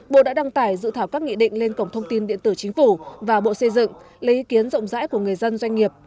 bộ đã đăng tải dự thảo các nghị định lên cổng thông tin điện tử chính phủ và bộ xây dựng lấy ý kiến rộng rãi của người dân doanh nghiệp